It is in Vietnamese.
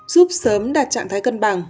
giúp sớm đạt trạng thái cân bằng